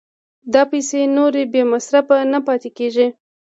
دا پیسې نورې بې مصرفه نه پاتې کېږي